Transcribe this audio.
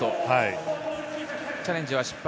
チャレンジは失敗。